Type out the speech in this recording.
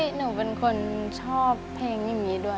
หนูเป็นคนชอบเพลงอย่างนี้ด้วย